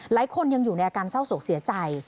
หลายคนยังอยู่ในอาการเศร้าโศกเสียใจ